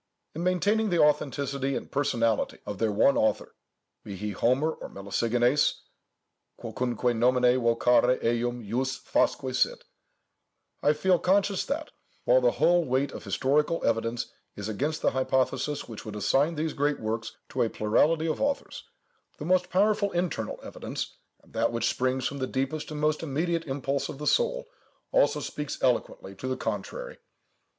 In maintaining the authenticity and personality of their one author, be he Homer or Melesigenes, quocunque nomine vocari eum jus fasque sit, I feel conscious that, while the whole weight of historical evidence is against the hypothesis which would assign these great works to a plurality of authors, the most powerful internal evidence, and that which springs from the deepest and most immediate impulse of the soul, also speaks eloquently to the contrary.